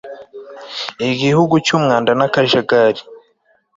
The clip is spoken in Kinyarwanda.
igihugu cy'umwanda n'akajagari